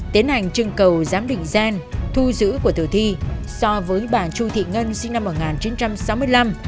tiến hành trưng cầu giám định gen thu giữ của tử thi so với bà chu thị ngân sinh năm một nghìn chín trăm sáu mươi năm